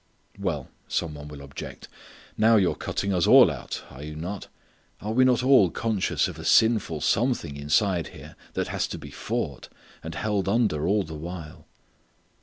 "Well," some one will object, "now you're cutting us all out, are you not? Are we not all conscious of a sinful something inside here that has to be fought, and held under all the while?"